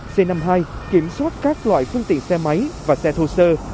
c năm mươi hai kiểm soát các loại phương tiện xe máy và xe thô sơ